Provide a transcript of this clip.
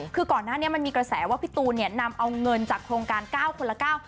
คือก่อนหน้านี้มันมีกระแสว่าพี่ตูนเนี่ยนำเอาเงินจากโครงการ๙คนละเก้า